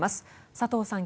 佐藤さん